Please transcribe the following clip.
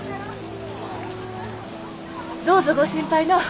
どうぞご心配のう。